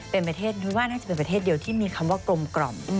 เป็นประเทศนุ้ยว่าน่าจะเป็นประเทศเดียวที่มีคำว่ากลมกล่อม